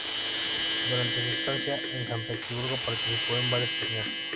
Durante su estancia en San Petersburgo, participó en varios torneos.